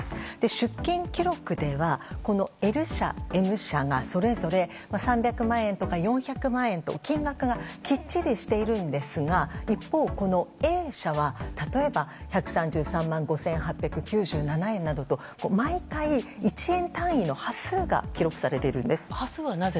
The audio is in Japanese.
出金記録ではＬ社、Ｍ社がそれぞれ３００万円とか４００万円と金額がきっちりしているんですが一方、Ａ社は例えば１３３万５８９７円などと毎回１円単位の端数が記録されているんです。